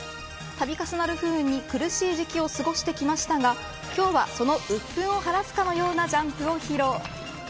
度重なる不運に苦しい時期を過ごしてきましたが今日は、そのうっぷんを晴らすかのようなジャンプを披露。